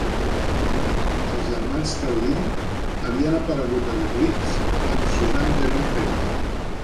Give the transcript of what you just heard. Els germans Caudill havien aparegut a The Breaks amb Susanne Jerome-Taylor.